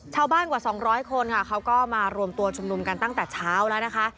กว่า๒๐๐คนค่ะเขาก็มารวมตัวชุมนุมกันตั้งแต่เช้าแล้วนะคะ